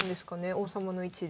王様の位置で。